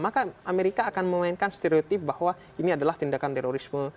maka amerika akan memainkan stereotip bahwa ini adalah tindakan terorisme